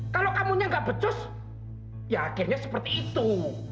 kalau kamu nggak becus ya akhirnya seperti itu